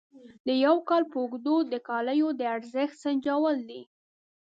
د یو کال په اوږدو د کالیو د ارزښت سنجول دي.